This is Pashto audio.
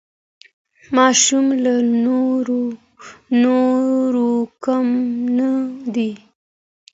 ماشوم له نورو کم نه دی.